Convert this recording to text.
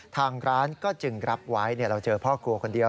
ทางร้านก็จึงรับไว้เราเจอพ่อครัวคนเดียว